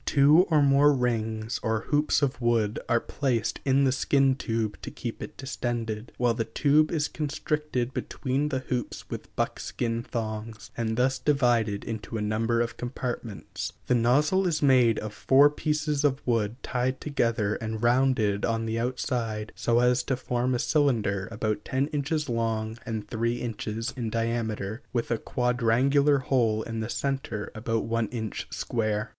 Two or more rings or hoops of wood are placed in the skin tube to keep it distended, while the tube is constricted between the hoops with buckskin thongs, and thus divided into a number of compartments, as shown in Pl. XVII. The nozzle is made of four pieces of wood tied together and rounded on the outside so as to form a cylinder about ten inches long and three inches in diameter, with a quadrangular hole in the center about one inch square.